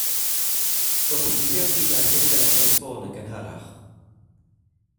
Gobeithio i chi dderbyn fy neges ffôn yn gynharach